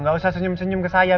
gak usah senyum senyum ke saya